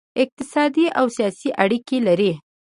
اقتصادي او سیاسي اړیکې لري